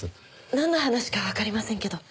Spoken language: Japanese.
なんの話かわかりませんけど。